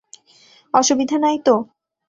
অসুবিধা নাই তো?